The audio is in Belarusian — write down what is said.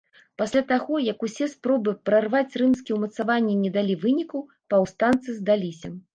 Пасля таго, як усе спробы прарваць рымскія ўмацаванні не далі вынікаў, паўстанцы здаліся.